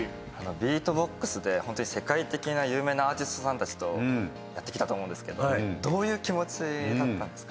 ビートボックスで本当に世界的な有名なアーティストさんたちとやってきたと思うんですけどどういう気持ちだったんですか？